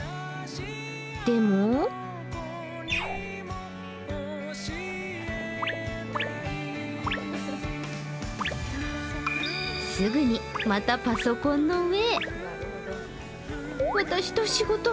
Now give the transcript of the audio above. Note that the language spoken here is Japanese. でもすぐにまたパソコンの上へ。